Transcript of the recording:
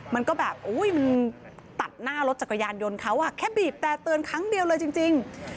มันก็แบบมันตัดหน้ารถจักรยานยนต์เขาแค่บีบแต่เตือนครั้งเดียวเลยจริง